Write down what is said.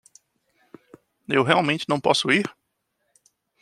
Eu realmente não posso ir?